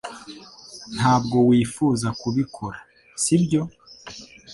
Ntabwo wifuzaga kubikora, sibyo?